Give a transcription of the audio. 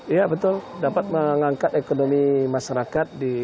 iya betul dapat mengangkat ekonomi masyarakat